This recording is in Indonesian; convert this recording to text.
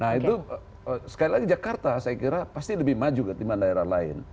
nah itu sekali lagi jakarta saya kira pasti lebih maju ketimbang daerah lain